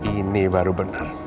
ini baru bener